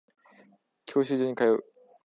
教習所に通う